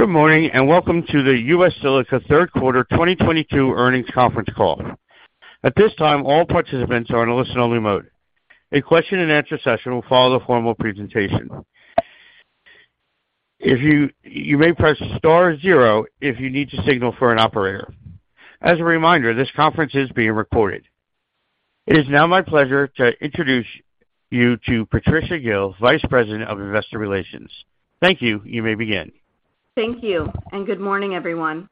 Good morning, and welcome to the U.S. Silica Third Quarter 2022 Earnings Conference Call. At this time, all participants are in a listen-only mode. A question-and-answer session will follow the formal presentation. You may press star 0 if you need to signal for an operator. As a reminder, this conference is being recorded. It is now my pleasure to introduce you to Patricia Gil, Vice President of Investor Relations. Thank you. You may begin. Thank you, and good morning, everyone.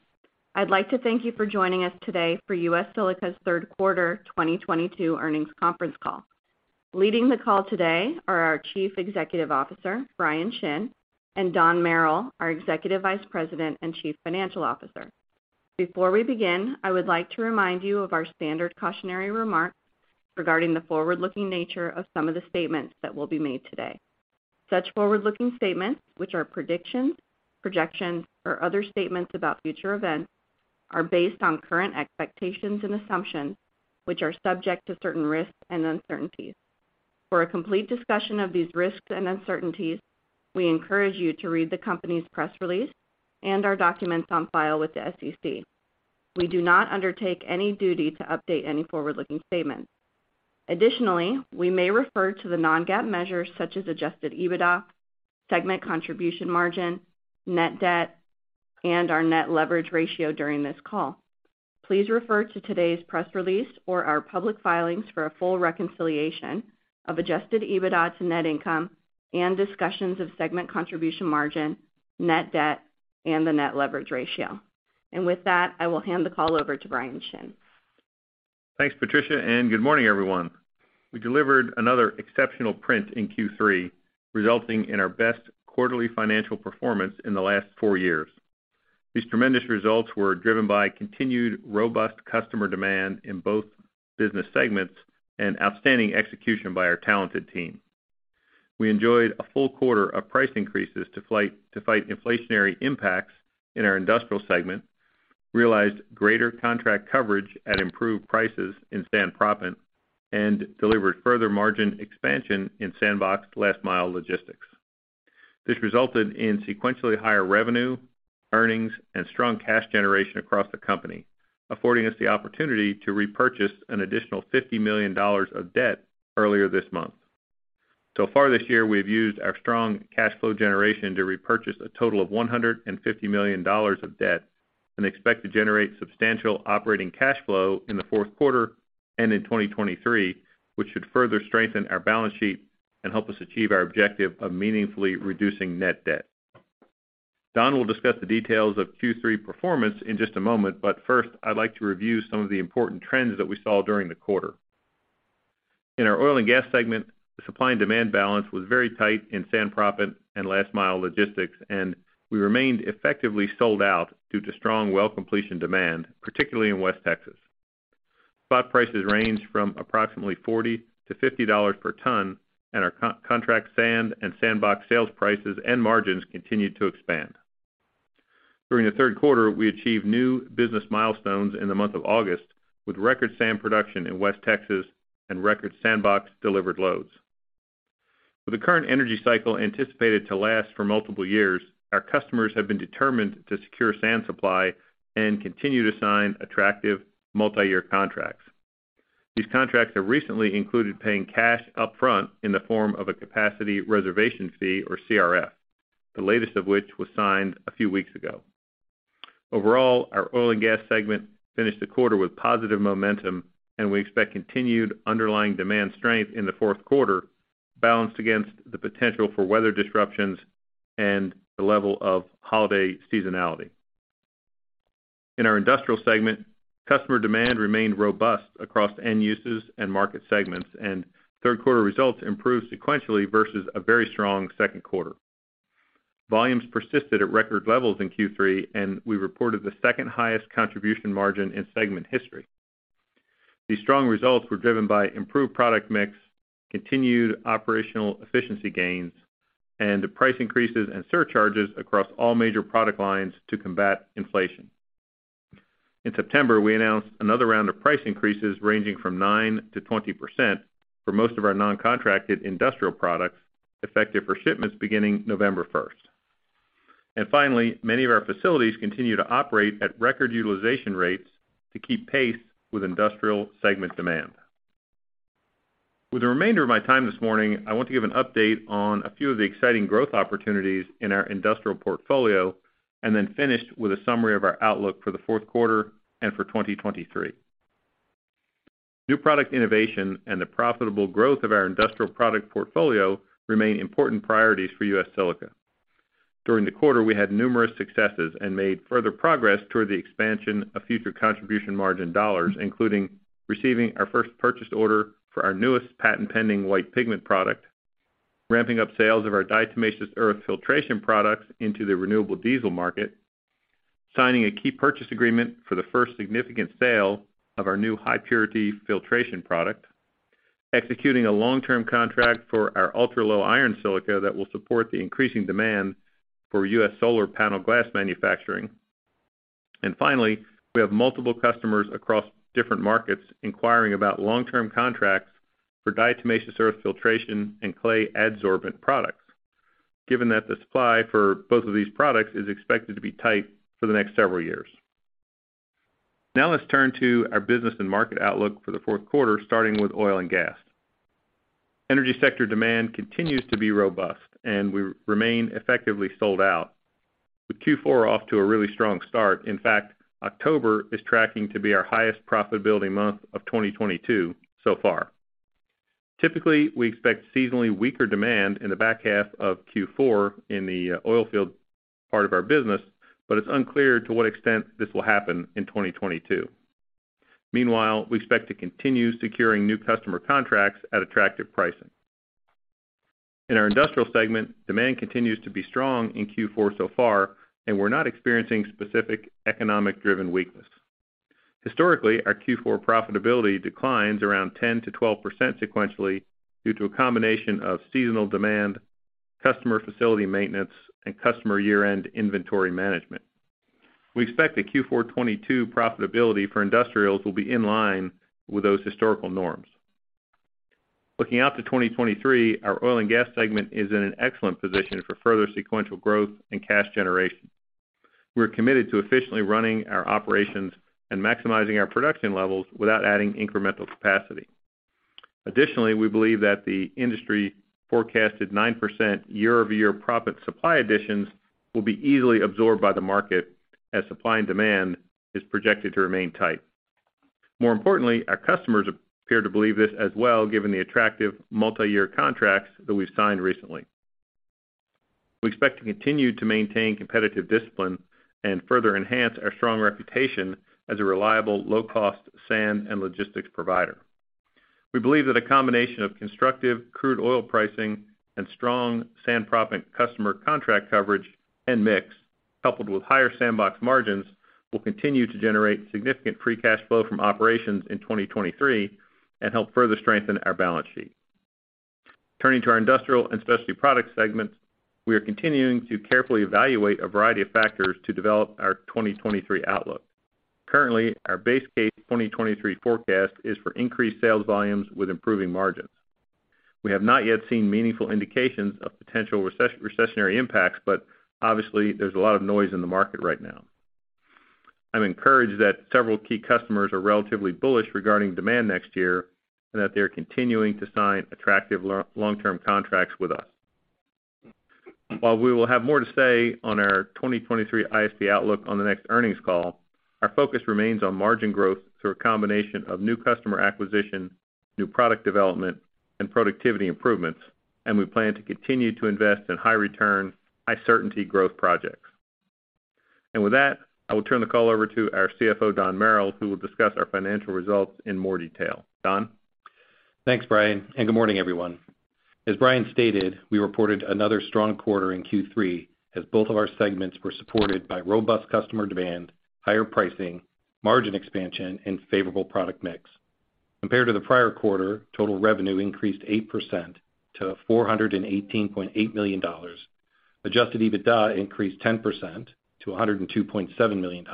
I'd like to thank you for joining us today for U.S. Silica's Third Quarter 2022 Earnings Conference Call. Leading the call today are our Chief Executive Officer, Bryan Shinn, and Donald Merril, our Executive Vice President and Chief Financial Officer. Before we begin, I would like to remind you of our standard cautionary remarks regarding the forward-looking nature of some of the statements that will be made today. Such forward-looking statements, which are predictions, projections, or other statements about future events, are based on current expectations and assumptions, which are subject to certain risks and uncertainties. For a complete discussion of these risks and uncertainties, we encourage you to read the company's press release and our documents on file with the SEC. We do not undertake any duty to update any forward-looking statements. Additionally, we may refer to the non-GAAP measures such as Adjusted EBITDA, segment contribution margin, net debt, and our net leverage ratio during this call. Please refer to today's press release or our public filings for a full reconciliation of Adjusted EBITDA to net income and discussions of segment contribution margin, net debt, and the net leverage ratio. With that, I will hand the call over to Bryan Shinn. Thanks, Patricia, and good morning, everyone. We delivered another exceptional print in Q3, resulting in our best quarterly financial performance in the last four years. These tremendous results were driven by continued robust customer demand in both business segments and outstanding execution by our talented team. We enjoyed a full quarter of price increases to fight inflationary impacts in our Industrial segment, realized greater contract coverage at improved prices in sand proppant, and delivered further margin expansion in SandBox last mile logistics. This resulted in sequentially higher revenue, earnings, and strong cash generation across the company, affording us the opportunity to repurchase an additional $50 million of debt earlier this month. Far this year, we have used our strong cash flow generation to repurchase a total of $150 million of debt and expect to generate substantial operating cash flow in the fourth quarter and in 2023, which should further strengthen our balance sheet and help us achieve our objective of meaningfully reducing net debt. Don will discuss the details of Q3 performance in just a moment, but first, I'd like to review some of the important trends that we saw during the quarter. In our Oil and Gas segment, the supply and demand balance was very tight in sand proppant and last mile logistics, and we remained effectively sold out due to strong well completion demand, particularly in West Texas. Spot prices ranged from approximately $40-$50 per ton, and our contract sand and SandBox sales prices and margins continued to expand. During the third quarter, we achieved new business milestones in the month of August with record sand production in West Texas and record SandBox delivered loads. With the current energy cycle anticipated to last for multiple years, our customers have been determined to secure sand supply and continue to sign attractive multiyear contracts. These contracts have recently included paying cash up front in the form of a capacity reservation fee or CRF, the latest of which was signed a few weeks ago. Overall, our Oil and Gas segment finished the quarter with positive momentum, and we expect continued underlying demand strength in the fourth quarter, balanced against the potential for weather disruptions and the level of holiday seasonality. In our Industrial segment, customer demand remained robust across end uses and market segments, and third quarter results improved sequentially versus a very strong second quarter. Volumes persisted at record levels in Q3, and we reported the second-highest contribution margin in segment history. These strong results were driven by improved product mix, continued operational efficiency gains, and price increases and surcharges across all major product lines to combat inflation. In September, we announced another round of price increases ranging from 9%-20% for most of our non-contracted industrial products, effective for shipments beginning November 1st. Finally, many of our facilities continue to operate at record utilization rates to keep pace with Industrial segment demand. With the remainder of my time this morning, I want to give an update on a few of the exciting growth opportunities in our industrial portfolio and then finish with a summary of our outlook for the fourth quarter and for 2023. New product innovation and the profitable growth of our industrial product portfolio remain important priorities for U.S. Silica. During the quarter, we had numerous successes and made further progress toward the expansion of future contribution margin dollars, including receiving our first purchase order for our newest patent-pending EverWhite Pigment product, ramping up sales of our diatomaceous earth filtration products into the renewable diesel market, signing a key purchase agreement for the first significant sale of our new high purity filtration product, executing a long-term contract for our ultra-low iron silica that will support the increasing demand for U.S. solar panel glass manufacturing. Finally, we have multiple customers across different markets inquiring about long-term contracts for diatomaceous earth filtration and clay adsorbent products. Given that the supply for both of these products is expected to be tight for the next several years. Now let's turn to our business and market outlook for the fourth quarter, starting with oil and gas. Energy sector demand continues to be robust, and we remain effectively sold out, with Q4 off to a really strong start. In fact, October is tracking to be our highest profitability month of 2022 so far. Typically, we expect seasonally weaker demand in the back half of Q4 in the oil field part of our business, but it's unclear to what extent this will happen in 2022. Meanwhile, we expect to continue securing new customer contracts at attractive pricing. In our Industrial segment, demand continues to be strong in Q4 so far, and we're not experiencing specific economic-driven weakness. Historically, our Q4 profitability declines around 10%-12% sequentially due to a combination of seasonal demand, customer facility maintenance, and customer year-end inventory management. We expect that Q4 2022 profitability for industrials will be in line with those historical norms. Looking out to 2023, our Oil and Gas segment is in an excellent position for further sequential growth and cash generation. We're committed to efficiently running our operations and maximizing our production levels without adding incremental capacity. Additionally, we believe that the industry forecasted 9% year-over-year proppant supply additions will be easily absorbed by the market as supply and demand is projected to remain tight. More importantly, our customers appear to believe this as well, given the attractive multiyear contracts that we've signed recently. We expect to continue to maintain competitive discipline and further enhance our strong reputation as a reliable, low-cost sand and logistics provider. We believe that a combination of constructive crude oil pricing and strong sand proppant customer contract coverage and mix, coupled with higher SandBox margins, will continue to generate significant free cash flow from operations in 2023 and help further strengthen our balance sheet. Turning to our Industrial and Specialty Products segments, we are continuing to carefully evaluate a variety of factors to develop our 2023 outlook. Currently, our base case 2023 forecast is for increased sales volumes with improving margins. We have not yet seen meaningful indications of potential recessionary impacts, but obviously there's a lot of noise in the market right now. I'm encouraged that several key customers are relatively bullish regarding demand next year and that they are continuing to sign attractive long-term contracts with us. While we will have more to say on our 2023 ISP outlook on the next earnings call, our focus remains on margin growth through a combination of new customer acquisition, new product development, and productivity improvements, and we plan to continue to invest in high return, high certainty growth projects. With that, I will turn the call over to our CFO, Don Merril, who will discuss our financial results in more detail. Don? Thanks, Bryan, and good morning, everyone. As Bryan stated, we reported another strong quarter in Q3 as both of our segments were supported by robust customer demand, higher pricing, margin expansion, and favorable product mix. Compared to the prior quarter, total revenue increased 8% to $418.8 million. Adjusted EBITDA increased 10% to $102.7 million.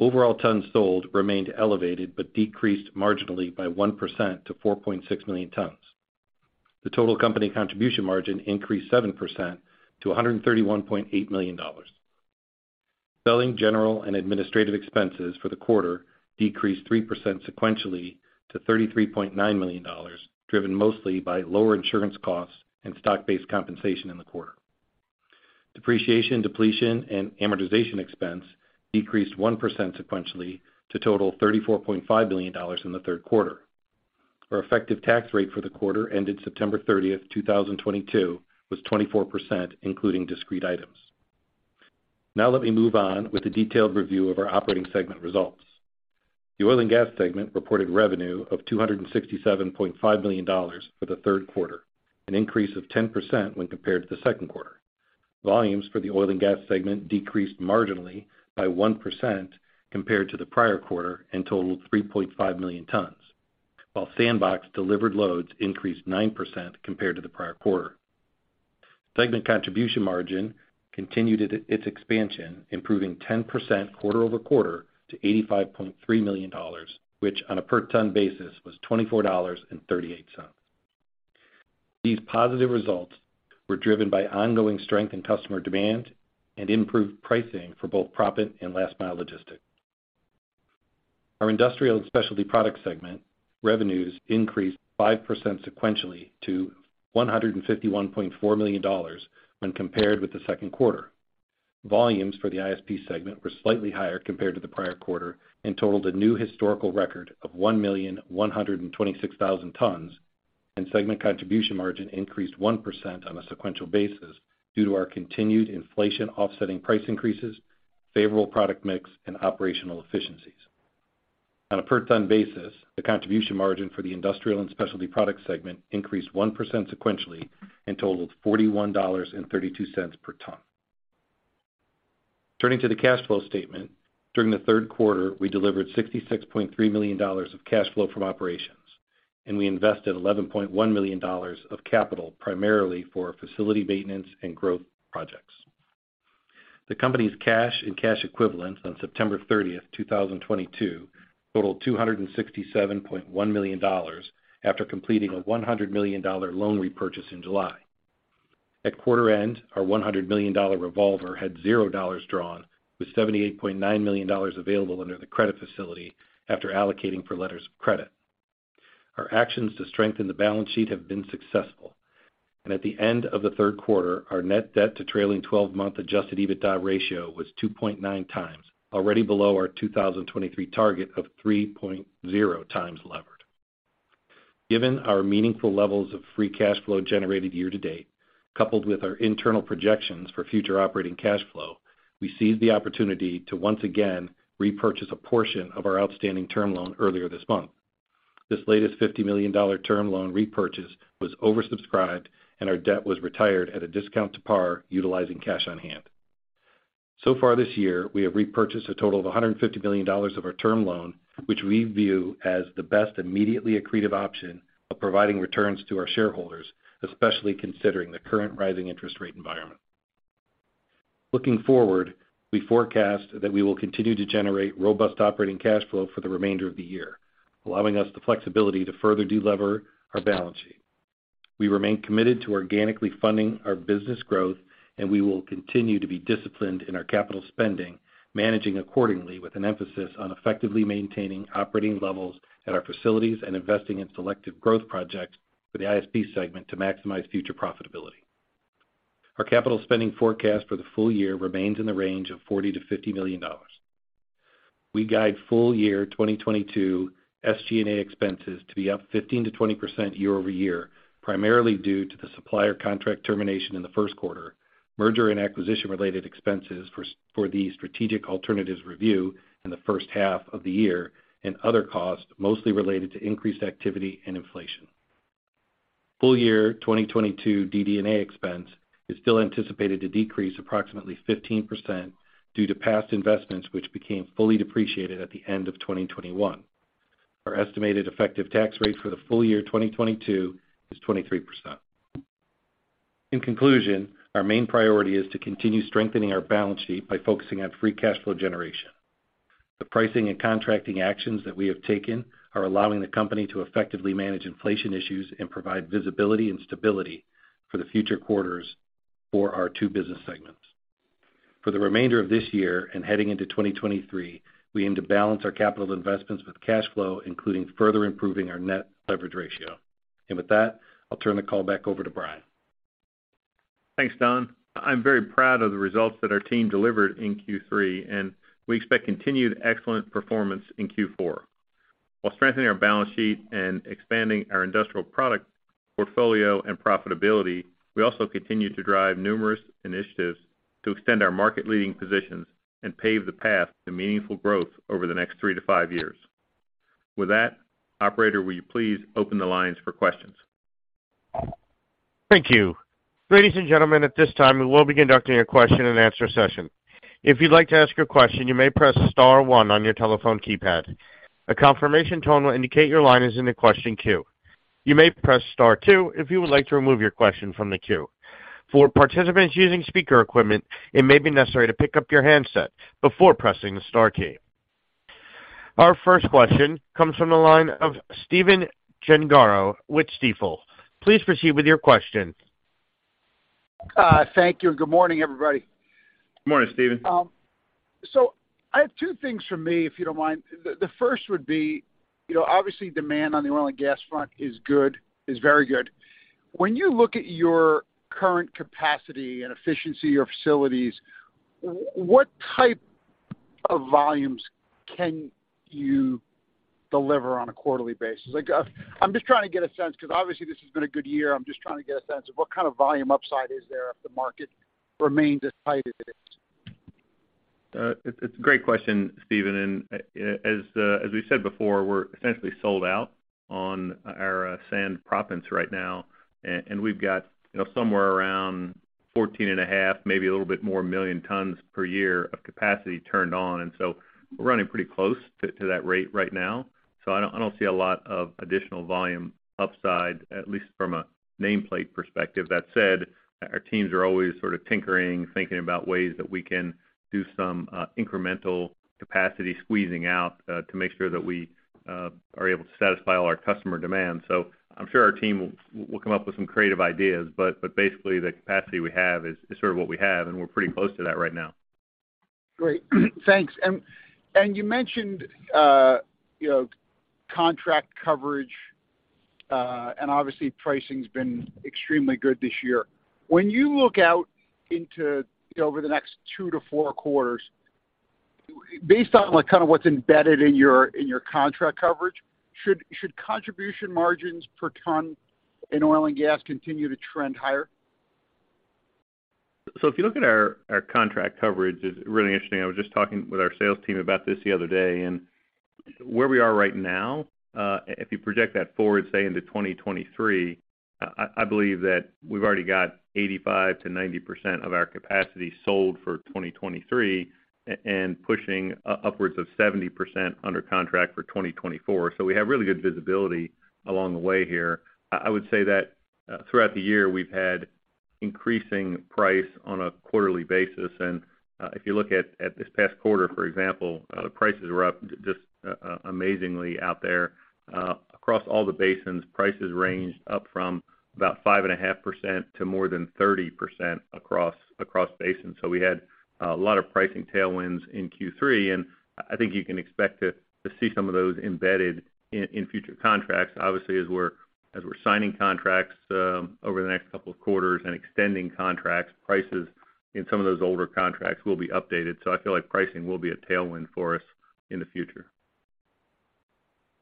Overall tons sold remained elevated but decreased marginally by 1% to 4.6 million tons. The total company contribution margin increased 7% to $131.8 million. Selling, general, and administrative expenses for the quarter decreased 3% sequentially to $33.9 million, driven mostly by lower insurance costs and stock-based compensation in the quarter. Depreciation, depletion, and amortization expense decreased 1% sequentially to total $34.5 million in the third quarter. Our effective tax rate for the quarter ended September 30, 2022 was 24%, including discrete items. Now let me move on with a detailed review of our operating segment results. The Oil and Gas segment reported revenue of $267.5 million for the third quarter, an increase of 10% when compared to the second quarter. Volumes for the Oil and Gas segment decreased marginally by 1% compared to the prior quarter and totaled 3.5 million tons, while SandBox delivered loads increased 9% compared to the prior quarter. Segment contribution margin continued its expansion, improving 10% quarter-over-quarter to $85.3 million, which on a per ton basis was $24.38. These positive results were driven by ongoing strength in customer demand and improved pricing for both proppant and last mile logistics. Our Industrial and Specialty Product segment revenues increased 5% sequentially to $151.4 million when compared with the second quarter. Volumes for the ISP segment were slightly higher compared to the prior quarter and totaled a new historical record of 1,126,000 tons, and segment contribution margin increased 1% on a sequential basis due to our continued inflation offsetting price increases, favorable product mix, and operational efficiencies. On a per ton basis, the contribution margin for the Industrial and Specialty Products segment increased 1% sequentially and totaled $41.32 per ton. Turning to the cash flow statement. During the third quarter, we delivered $66.3 million of cash flow from operations. We invested $11.1 million of capital primarily for facility maintenance and growth projects. The company's cash and cash equivalents on September 30, 2022 totaled $267.1 million after completing a $100 million loan repurchase in July. At quarter end, our $100 million revolver had $0 drawn with $78.9 million available under the credit facility after allocating for letters of credit. Our actions to strengthen the balance sheet have been successful. At the end of the third quarter, our net debt to trailing 12-month Adjusted EBITDA ratio was 2.9 times, already below our 2023 target of 3.0 times levered. Given our meaningful levels of free cash flow generated year to date, coupled with our internal projections for future operating cash flow, we seized the opportunity to once again repurchase a portion of our outstanding term loan earlier this month. This latest $50 million term loan repurchase was oversubscribed, and our debt was retired at a discount to par utilizing cash on hand. So far this year, we have repurchased a total of $150 million of our term loan, which we view as the best immediately accretive option of providing returns to our shareholders, especially considering the current rising interest rate environment. Looking forward, we forecast that we will continue to generate robust operating cash flow for the remainder of the year, allowing us the flexibility to further delever our balance sheet. We remain committed to organically funding our business growth, and we will continue to be disciplined in our capital spending, managing accordingly with an emphasis on effectively maintaining operating levels at our facilities and investing in selective growth projects for the ISP segment to maximize future profitability. Our capital spending forecast for the full year remains in the range of $40 million-$50 million. We guide full year 2022 SG&A expenses to be up 15%-20% year-over-year, primarily due to the supplier contract termination in the first quarter, merger and acquisition-related expenses for the strategic alternatives review in the first half of the year, and other costs mostly related to increased activity and inflation. Full year 2022 DD&A expense is still anticipated to decrease approximately 15% due to past investments, which became fully depreciated at the end of 2021. Our estimated effective tax rate for the full year 2022 is 23%. In conclusion, our main priority is to continue strengthening our balance sheet by focusing on free cash flow generation. The pricing and contracting actions that we have taken are allowing the company to effectively manage inflation issues and provide visibility and stability for the future quarters for our two business segments. For the remainder of this year and heading into 2023, we aim to balance our capital investments with cash flow, including further improving our net leverage ratio. With that, I'll turn the call back over to Bryan. Thanks, Don. I'm very proud of the results that our team delivered in Q3, and we expect continued excellent performance in Q4. While strengthening our balance sheet and expanding our industrial product portfolio and profitability, we also continue to drive numerous initiatives to extend our market-leading positions and pave the path to meaningful growth over the next 3-5 years. With that, operator, will you please open the lines for questions? Thank you. Ladies and gentlemen, at this time, we will be conducting a question and answer session. If you'd like to ask a question, you may press star 1 on your telephone keypad. A confirmation tone will indicate your line is in the question queue. You may press star 2 if you would like to remove your question from the queue. For participants using speaker equipment, it may be necessary to pick up your handset before pressing the star key. Our first question comes from the line of Stephen Gengaro with Stifel. Please proceed with your question. Thank you, and good morning, everybody. Good morning, Stephen. I have two things from me, if you don't mind. The first would be, you know, obviously demand on the oil and gas front is good, is very good. When you look at your current capacity and efficiency of your facilities, what type of volumes can you deliver on a quarterly basis? Like, I'm just trying to get a sense because obviously this has been a good year. I'm just trying to get a sense of what kind of volume upside is there if the market remains as tight as it is. It's a great question, Stephen. As we said before, we're essentially sold out on our sand proppants right now. We've got, you know, somewhere around 14.5, maybe a little bit more million tons per year of capacity turned on. We're running pretty close to that rate right now. I don't see a lot of additional volume upside, at least from a nameplate perspective. That said, our teams are always sort of tinkering, thinking about ways that we can do some incremental capacity squeezing out to make sure that we are able to satisfy all our customer demands. I'm sure our team will come up with some creative ideas. Basically the capacity we have is sort of what we have, and we're pretty close to that right now. Great. Thanks. You mentioned, you know, contract coverage, and obviously pricing's been extremely good this year. When you look out into, you know, over the next 2-4 quarters, based on like kind of what's embedded in your contract coverage, should contribution margins per ton in oil and gas continue to trend higher? If you look at our contract coverage, it's really interesting. I was just talking with our sales team about this the other day. Where we are right now, if you project that forward, say, into 2023, I believe that we've already got 85%-90% of our capacity sold for 2023, and pushing upwards of 70% under contract for 2024. We have really good visibility along the way here. I would say that throughout the year, we've had increasing price on a quarterly basis. If you look at this past quarter, for example, the prices were up just amazingly out there. Across all the basins, prices ranged up from about 5.5% to more than 30% across basins. We had a lot of pricing tailwinds in Q3, and I think you can expect to see some of those embedded in future contracts. Obviously, as we're signing contracts over the next couple of quarters and extending contracts, prices in some of those older contracts will be updated. I feel like pricing will be a tailwind for us in the future.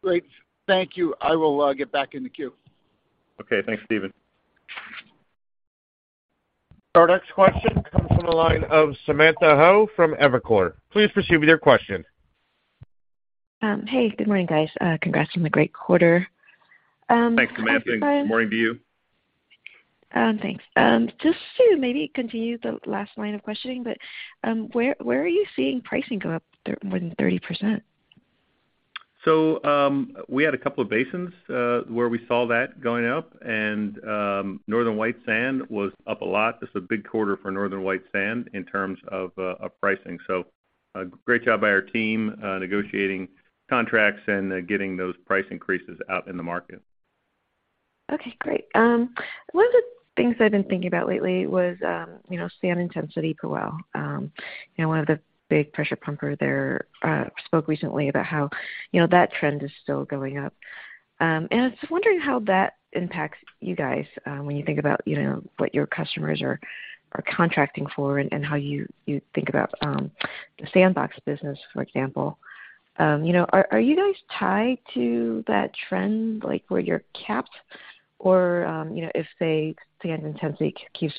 Great. Thank you. I will get back in the queue. Okay. Thanks, Stephen. Our next question comes from the line of Samantha Hoh from Evercore. Please proceed with your question. Hey, good morning, guys. Congrats on the great quarter. I was just wondering - Thanks, Samantha. Good morning to you. Thanks. Just to maybe continue the last line of questioning, where are you seeing pricing go up more than 30%? We had a couple of basins where we saw that going up, and Northern White Sand was up a lot. This is a big quarter for Northern White Sand in terms of pricing. A great job by our team negotiating contracts and getting those price increases out in the market. Okay, great. One of the things I've been thinking about lately was, you know, sand intensity per well. You know, one of the big pressure pumper there spoke recently about how, you know, that trend is still going up. I was just wondering how that impacts you guys, when you think about, you know, what your customers are contracting for and how you think about the SandBox business, for example. You know, are you guys tied to that trend, like, where you're capped or, you know, if the sand intensity keeps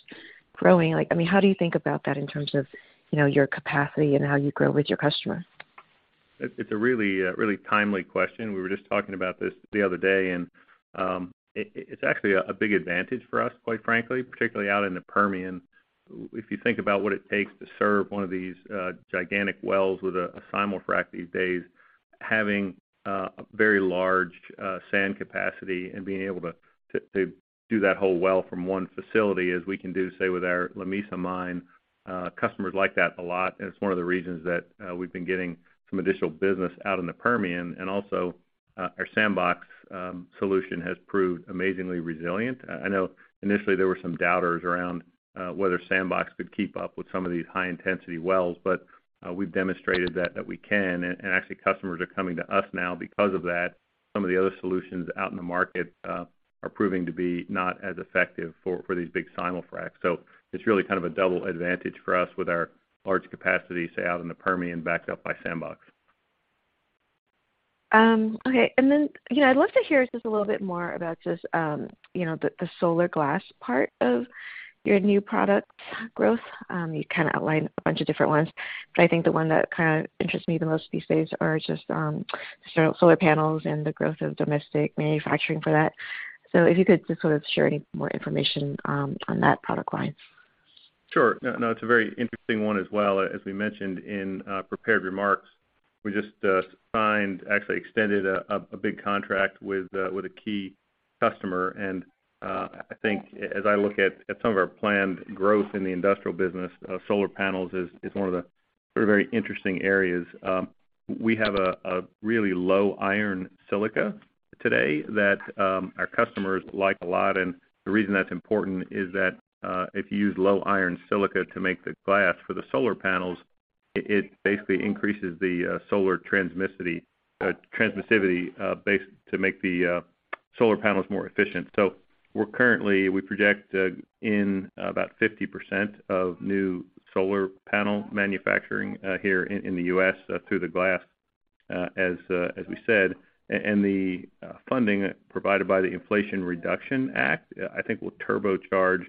growing? Like, I mean, how do you think about that in terms of, you know, your capacity and how you grow with your customers? It's a really timely question. We were just talking about this the other day, and it's actually a big advantage for us, quite frankly, particularly out in the Permian. If you think about what it takes to serve one of these gigantic wells with a simul-frac these days, having a very large sand capacity and being able to do that whole well from one facility as we can do, say, with our Lamesa mine, customers like that a lot, and it's one of the reasons that we've been getting some additional business out in the Permian. Also, our SandBox solution has proved amazingly resilient. I know initially there were some doubters around whether SandBox could keep up with some of these high-intensity wells, but we've demonstrated that we can. Actually customers are coming to us now because of that. Some of the other solutions out in the market are proving to be not as effective for these big simul-fracs. It's really kind of a double advantage for us with our large capacity, say out in the Permian, backed up by SandBox. Okay. You know, I'd love to hear just a little bit more about just, you know, the solar glass part of your new product growth. You kind of outlined a bunch of different ones, but I think the one that kind of interests me the most these days are just solar panels and the growth of domestic manufacturing for that. If you could just sort of share any more information on that product line. Sure. No, no, it's a very interesting one as well. As we mentioned in prepared remarks, we just actually extended a big contract with a key customer. I think as I look at some of our planned growth in the industrial business, solar panels is one of the sort of very interesting areas. We have a really low iron silica today that our customers like a lot. The reason that's important is that if you use low iron silica to make the glass for the solar panels, it basically increases the solar transmissivity base to make the solar panels more efficient. We're currently, we project, in about 50% of new solar panel manufacturing here in the U.S. through the glass, as we said. The funding provided by the Inflation Reduction Act, I think will turbocharge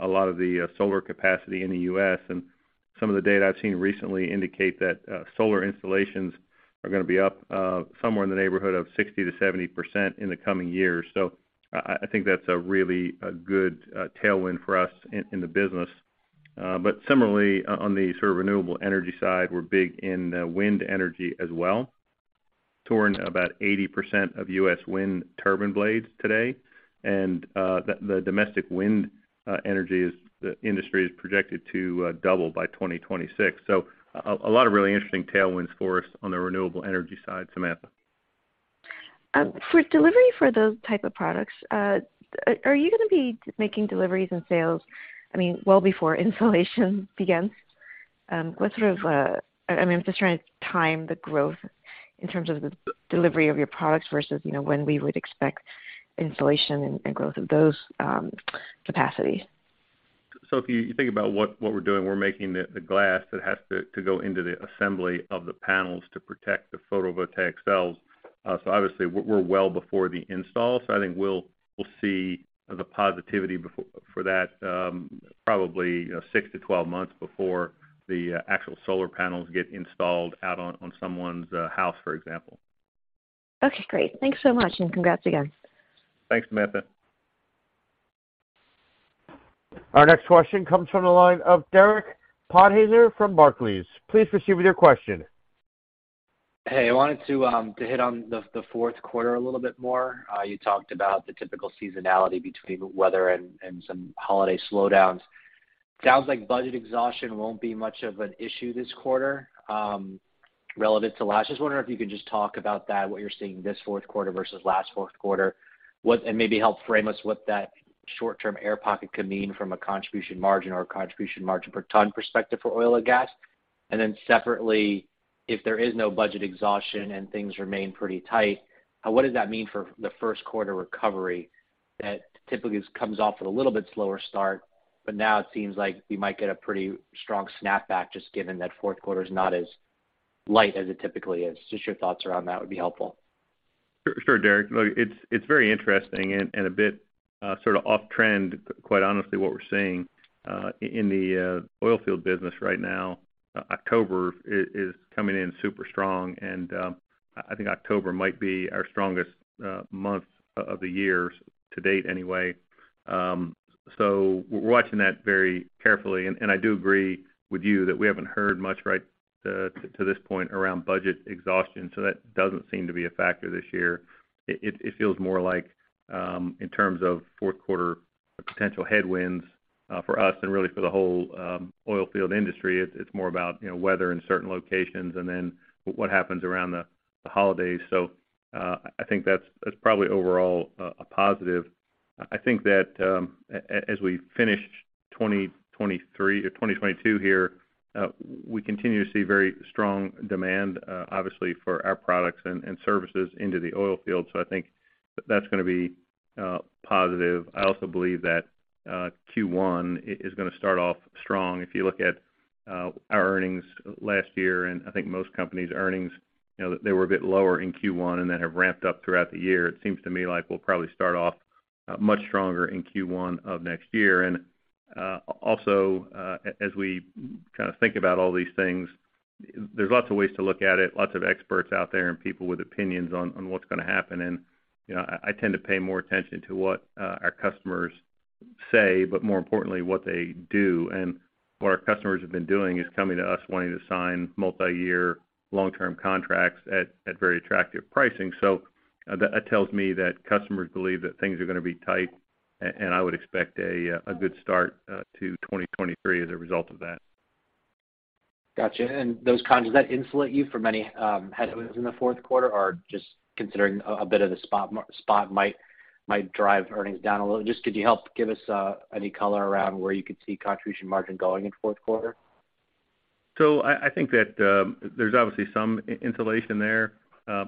a lot of the solar capacity in the U.S. Some of the data I've seen recently indicate that solar installations are gonna be up somewhere in the neighborhood of 60%-70% in the coming years. I think that's a really good tailwind for us in the business. But similarly, on the sort of renewable energy side, we're big in wind energy as well. We're in about 80% of U.S. wind turbine blades today. The domestic wind energy industry is projected to double by 2026. A lot of really interesting tailwinds for us on the renewable energy side, Samantha. For delivery of those types of products, are you gonna be making deliveries and sales, I mean, well before installation begins? What sort of, I mean, I'm just trying to time the growth in terms of the delivery of your products versus, you know, when we would expect installation and growth of those capacities. If you think about what we're doing, we're making the glass that has to go into the assembly of the panels to protect the photovoltaic cells. Obviously we're well before the install. I think we'll see the positivity before that, probably, you know, 6-12 months before the actual solar panels get installed out on someone's house, for example. Okay, great. Thanks so much, and congrats again. Thanks, Samantha. Our next question comes from the line of Derek Podhaizer from Barclays. Please proceed with your question. Hey, I wanted to hit on the fourth quarter a little bit more. You talked about the typical seasonality between weather and some holiday slowdowns. Sounds like budget exhaustion won't be much of an issue this quarter, relevant to last. Just wondering if you could just talk about that, what you're seeing this fourth quarter versus last fourth quarter. Maybe help frame us what that short-term air pocket could mean from a contribution margin or a contribution margin per ton perspective for oil and gas. Separately, if there is no budget exhaustion and things remain pretty tight, what does that mean for the first quarter recovery that typically comes off at a little bit slower start, but now it seems like we might get a pretty strong snap back just given that fourth quarter is not as light as it typically is. Just your thoughts around that would be helpful. Sure, Derek. Look, it's very interesting and a bit sorta off trend, quite honestly, what we're seeing in the oil field business right now. October is coming in super strong, and I think October might be our strongest month of the year to date anyway. We're watching that very carefully. I do agree with you that we haven't heard much, right, to this point around budget exhaustion, so that doesn't seem to be a factor this year. It feels more like, in terms of fourth quarter potential headwinds for us and really for the whole oil field industry, it's more about, you know, weather in certain locations and then what happens around the holidays. I think that's probably overall a positive. I think that, as we finish 2023 or 2022 here, we continue to see very strong demand, obviously for our products and services into the oil field. I think that's gonna be positive. I also believe that, Q1 is gonna start off strong. If you look at our earnings last year, and I think most companies' earnings, you know, they were a bit lower in Q1 and then have ramped up throughout the year. It seems to me like we'll probably start off much stronger in Q1 of next year. Also, as we kinda think about all these things, there's lots of ways to look at it, lots of experts out there and people with opinions on what's gonna happen. You know, I tend to pay more attention to what our customers say, but more importantly, what they do. What our customers have been doing is coming to us wanting to sign multi-year long-term contracts at very attractive pricing. That tells me that customers believe that things are gonna be tight, and I would expect a good start to 2023 as a result of that. Gotcha. Those contracts, does that insulate you from any headwinds in the fourth quarter? Or just considering a bit of the spot might drive earnings down a little. Could you help give us any color around where you could see contribution margin going into fourth quarter? I think that there's obviously some insulation there.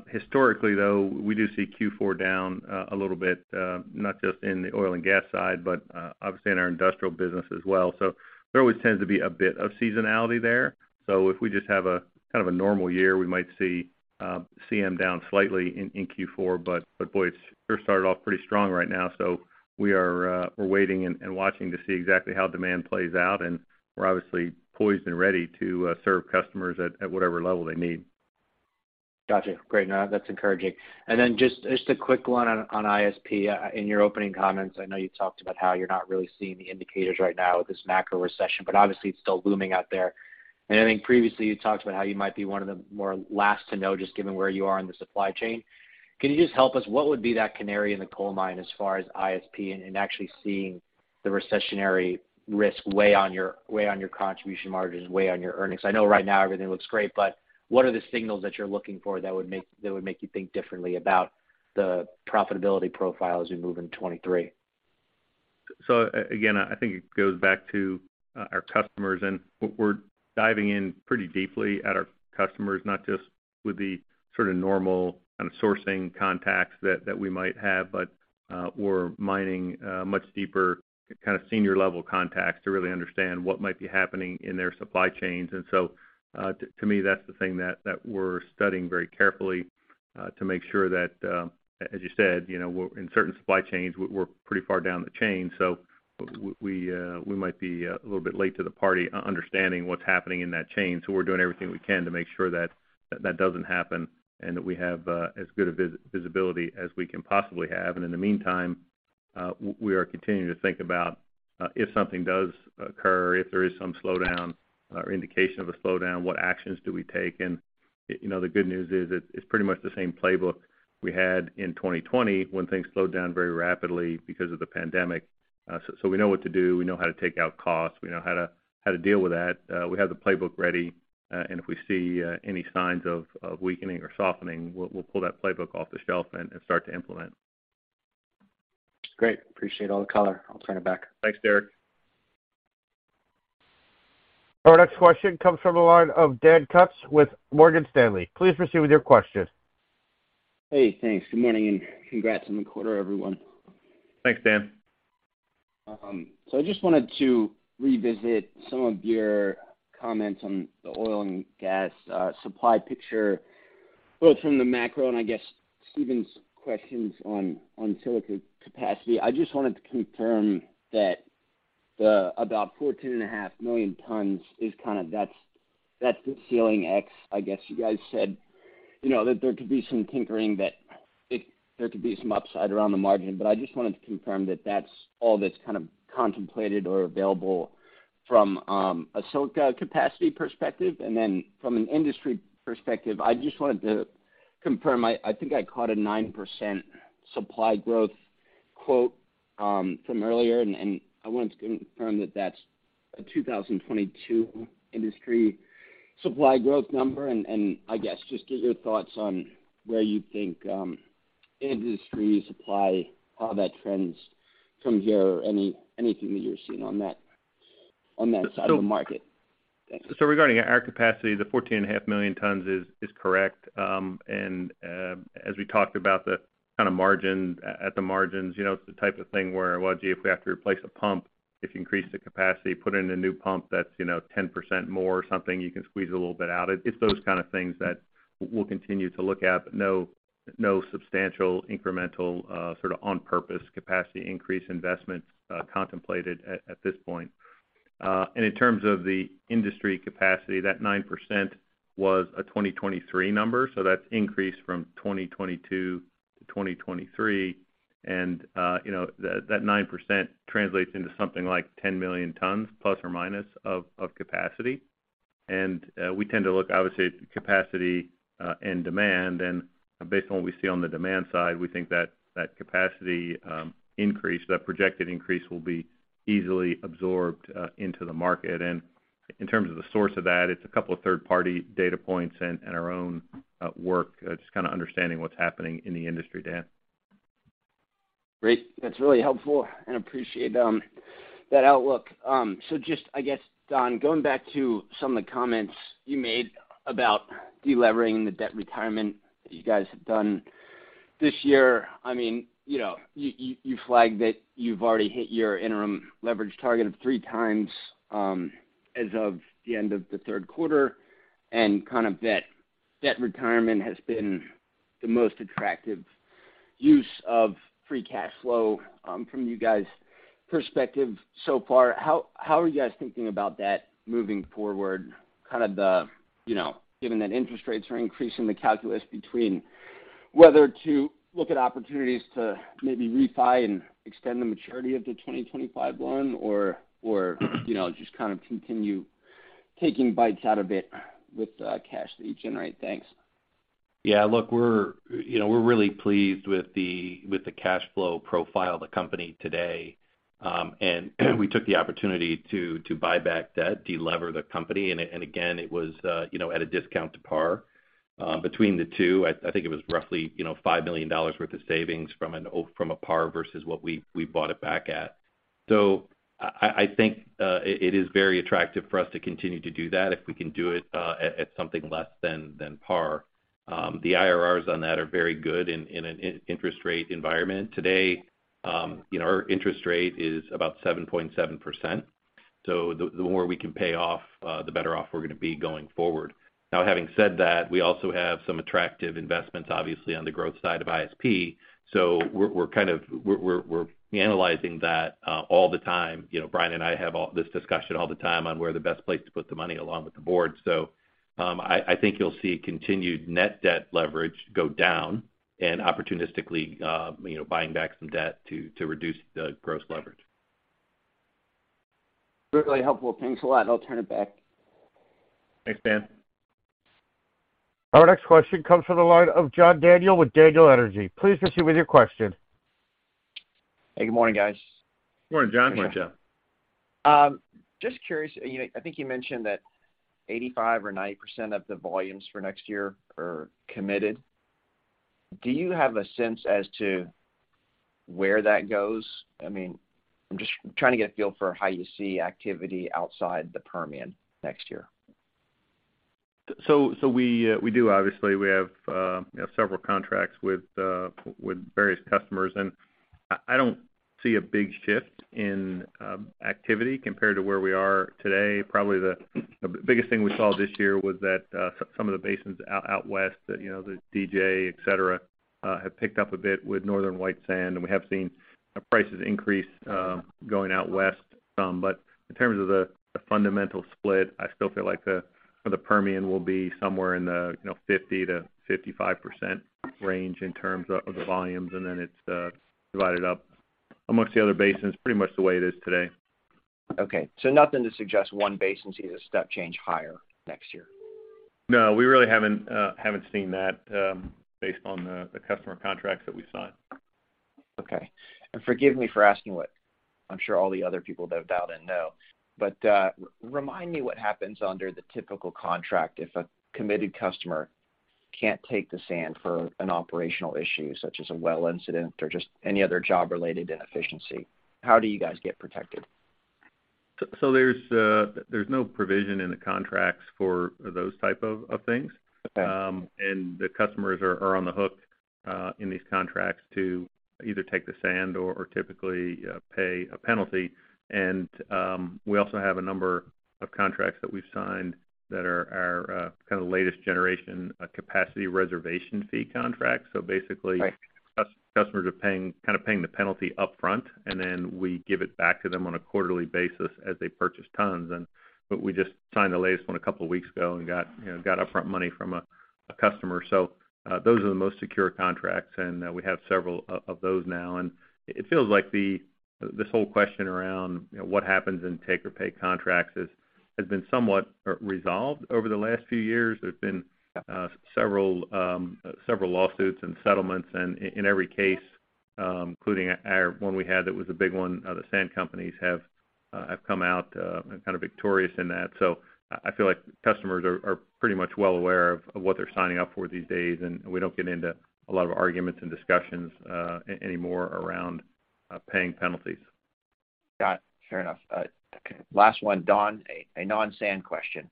Historically, though, we do see Q4 down a little bit, not just in the Oil and Gas side, but obviously in our Industrial business as well. There always tends to be a bit of seasonality there. If we just have a kind of a normal year, we might see CM down slightly in Q4, but boy, we're started off pretty strong right now, so we're waiting and watching to see exactly how demand plays out, and we're obviously poised and ready to serve customers at whatever level they need. Gotcha. Great. No, that's encouraging. Then just a quick one on ISP. In your opening comments, I know you talked about how you're not really seeing the indicators right now with this macro recession, but obviously it's still looming out there. I think previously you talked about how you might be one of the more last to know just given where you are in the supply chain. Can you just help us, what would be that canary in the coal mine as far as ISP and actually seeing the recessionary risk weigh on your contribution margins, weigh on your earnings? I know right now everything looks great, but what are the signals that you're looking for that would make you think differently about the profitability profile as we move into 2023? I think it goes back to our customers and what we're diving in pretty deeply into our customers, not just with the sort of normal kind of sourcing contacts that we might have, but we're mining much deeper kind of senior level contacts to really understand what might be happening in their supply chains. To me, that's the thing that we're studying very carefully to make sure that, as you said, you know, we're in certain supply chains, we're pretty far down the chain, so we might be a little bit late to the party understanding what's happening in that chain. We're doing everything we can to make sure that that doesn't happen and that we have as good of visibility as we can possibly have. In the meantime, we are continuing to think about, if something does occur, if there is some slowdown or indication of a slowdown, what actions do we take? You know, the good news is it's pretty much the same playbook we had in 2020 when things slowed down very rapidly because of the pandemic. So we know what to do. We know how to take out costs. We know how to deal with that. We have the playbook ready, and if we see any signs of weakening or softening, we'll pull that playbook off the shelf and start to implement. Great. Appreciate all the color. I'll turn it back. Thanks, Derek. Our next question comes from the line of Dan Kutz with Morgan Stanley. Please proceed with your question. Hey, thanks. Good morning, and congrats on the quarter, everyone. Thanks, Dan. I just wanted to revisit some of your comments on the oil and gas supply picture, both from the macro and I guess Stephen's questions on silica capacity. I just wanted to confirm that that's about 14.5 million tons is kind of the ceiling X, I guess, you guys said you know that there could be some tinkering. There could be some upside around the margin. I just wanted to confirm that that's all that's kind of contemplated or available from a silica capacity perspective. Then from an industry perspective, I just wanted to confirm, I think I caught a 9% supply growth quote from earlier, and I wanted to confirm that that's a 2022 industry supply growth number. I guess, just get your thoughts on where you think, industry supply, how that trends from here or anything that you're seeing on that, on that side of the market. Thanks. Regarding our capacity, the 14.5 million tons is correct. As we talked about the kind of margin, at the margins, you know, it's the type of thing where, well, gee, if we have to replace a pump, if you increase the capacity, put in a new pump that's, you know, 10% more or something, you can squeeze a little bit out. It's those kind of things that we'll continue to look at, but no substantial incremental sort of on-purpose capacity increase investments contemplated at this point. In terms of the industry capacity, that 9% was a 2023 number, so that's increased from 2022 to 2023. You know, that 9% translates into something like 10 million tons ± of capacity. We tend to look obviously at capacity and demand. Based on what we see on the demand side, we think that capacity increase, that projected increase will be easily absorbed into the market. In terms of the source of that, it's a couple of third-party data points and our own work just kinda understanding what's happening in the industry, Dan. Great. That's really helpful and appreciate that outlook. So just, I guess, Don, going back to some of the comments you made about delevering the debt retirement that you guys have done this year. I mean, you know, you flagged that you've already hit your interim leverage target of 3x as of the end of the third quarter, and kind of that debt retirement has been the most attractive use of free cash flow from you guys' perspective so far. How are you guys thinking about that moving forward, kind of the, you know, given that interest rates are increasing the calculus between whether to look at opportunities to maybe refi and extend the maturity of the 2025 loan or, you know, just kind of continue taking bites out of it with cash that you generate? Thanks. Yeah. Look, you know, we're really pleased with the cash flow profile of the company today. We took the opportunity to buy back debt, delever the company, and again, it was, you know, at a discount to par. Between the two, I think it was roughly, you know, $5 million worth of savings from a par versus what we bought it back at. I think it is very attractive for us to continue to do that if we can do it at something less than par. The IRRs on that are very good in an interest rate environment. Today, you know, our interest rate is about 7.7%, so the more we can pay off, the better off we're gonna be going forward. Now having said that, we also have some attractive investments, obviously, on the growth side of ISP. So we're kind of analyzing that all the time. You know, Bryan and I have all this discussion all the time on where the best place to put the money along with the board. I think you'll see continued net debt leverage go down and opportunistically, you know, buying back some debt to reduce the gross leverage. Really helpful. Thanks a lot. I'll turn it back. Thanks, Dan. Our next question comes from the line of John Daniel with Daniel Energy. Please proceed with your question. Hey, good morning, guys. Good morning, John. Morning, John. Just curious. You know, I think you mentioned that 85% or 90% of the volumes for next year are committed. Do you have a sense as to where that goes? I mean, I'm just trying to get a feel for how you see activity outside the Permian next year. We do obviously. We have, you know, several contracts with various customers. I don't see a big shift in activity compared to where we are today. Probably the biggest thing we saw this year was that some of the basins out West that, you know, the DJ, et cetera, have picked up a bit with Northern White Sand, and we have seen prices increase going out West some. In terms of the fundamental split, I still feel like the Permian will be somewhere in the 50%-55% range in terms of the volumes, and then it's divided up amongst the other basins pretty much the way it is today. Okay. Nothing to suggest one basin sees a step change higher next year? No. We really haven't seen that, based on the customer contracts that we've signed. Okay. Forgive me for asking what I'm sure all the other people that have dialed in know. Remind me what happens under the typical contract if a committed customer can't take the sand for an operational issue, such as a well incident or just any other job-related inefficiency. How do you guys get protected? There's no provision in the contracts for those type of things. Okay. The customers are on the hook in these contracts to either take the sand or typically pay a penalty. We also have a number of contracts that we've signed that are our kind of latest generation capacity reservation fee contracts. Right. Basically, customers are paying, kinda paying the penalty upfront, and then we give it back to them on a quarterly basis as they purchase tons. We just signed the latest one a couple weeks ago and got upfront money from a customer. Those are the most secure contracts, and we have several of those now. It feels like this whole question around, you know, what happens in take-or-pay contracts has been somewhat resolved over the last few years. There's been several lawsuits and settlements and in every case, including our one we had that was a big one, the sand companies have come out kind of victorious in that. I feel like customers are pretty much well aware of what they're signing up for these days, and we don't get into a lot of arguments and discussions anymore around paying penalties. Got it. Fair enough. Okay, last one, Don, a non-sand question.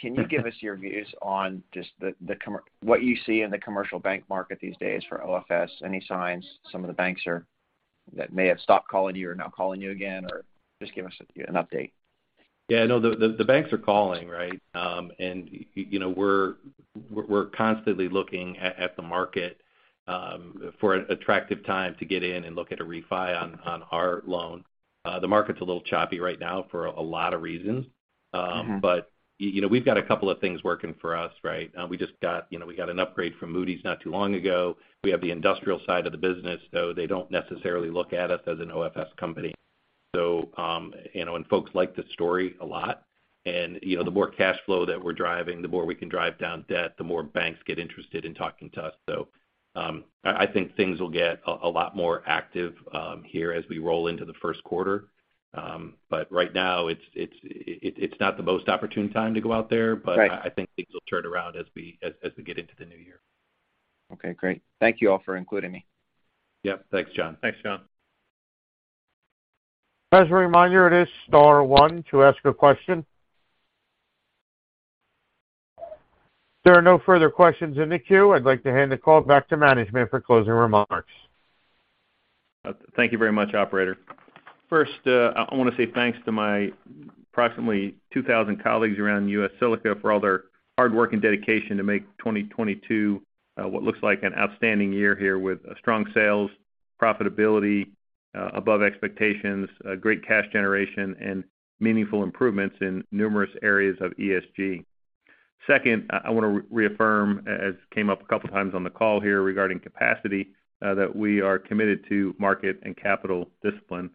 Can you give us your views on just the, what you see in the commercial bank market these days for OFS? Any signs some of the banks that may have stopped calling you or now calling you again, or just give us an update. Yeah, no, the banks are calling, right? You know, we're constantly looking at the market for an attractive time to get in and look at a refi on our loan. The market's a little choppy right now for a lot of reasons. Mm-hmm. You know, we've got a couple of things working for us, right? We just got, you know, an upgrade from Moody's not too long ago. We have the industrial side of the business, though they don't necessarily look at us as an OFS company. You know, folks like this story a lot. You know, the more cash flow that we're driving, the more we can drive down debt, the more banks get interested in talking to us. I think things will get a lot more active here as we roll into the first quarter. Right now it's not the most opportune time to go out there. Right. I think things will turn around as we get into the new year. Okay, great. Thank you all for including me. Yep. Thanks, John. Thanks, John. As a reminder, it is star one to ask a question. If there are no further questions in the queue, I'd like to hand the call back to management for closing remarks. Thank you very much, operator. First, I wanna say thanks to my approximately 2,000 colleagues around U.S. Silica for all their hard work and dedication to make 2022 what looks like an outstanding year here with strong sales, profitability above expectations, a great cash generation, and meaningful improvements in numerous areas of ESG. Second, I wanna reaffirm as came up a couple times on the call here regarding capacity that we are committed to market and capital discipline,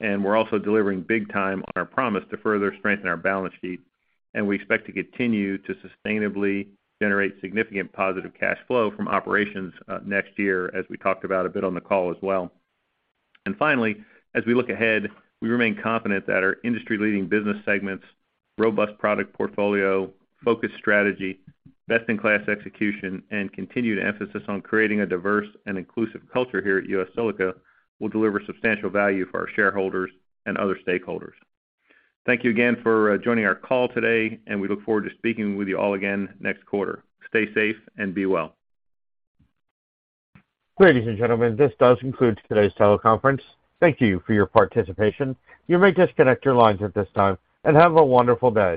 and we're also delivering big time on our promise to further strengthen our balance sheet, and we expect to continue to sustainably generate significant positive cash flow from operations next year, as we talked about a bit on the call as well. Finally, as we look ahead, we remain confident that our industry-leading business segments, robust product portfolio, focused strategy, best-in-class execution, and continued emphasis on creating a diverse and inclusive culture here at U.S. Silica will deliver substantial value for our shareholders and other stakeholders. Thank you again for joining our call today, and we look forward to speaking with you all again next quarter. Stay safe and be well. Ladies and gentlemen, this does conclude today's teleconference. Thank you for your participation. You may disconnect your lines at this time, and have a wonderful day.